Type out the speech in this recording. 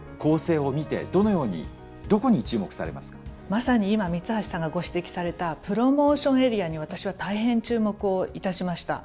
まさに今三橋さんがご指摘されたプロモーションエリアに私は大変注目をいたしました。